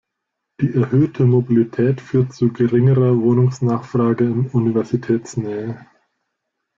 Die erhöhte Mobilität führt zu geringerer Wohnungsnachfrage in Universitätsnähe.